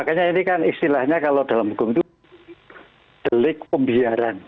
makanya ini kan istilahnya kalau dalam hukum itu delik pembiaran